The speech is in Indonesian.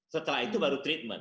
setelah itu baru treatment